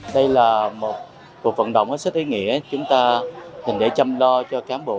đây là một cuộc vận động rất ý nghĩa chúng ta hình để chăm lo cho cán bộ